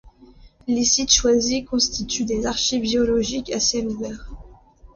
Les sites choisis constituent des archives géologiques à ciel ouvert.